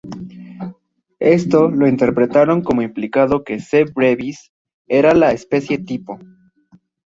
Esto lo interpretaron como implicando que "C. brevis" era la especie tipo.